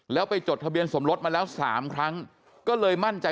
แล้วไปจดทะเบียนสมรสมาแล้ว๓ครั้งก็เลยมั่นใจ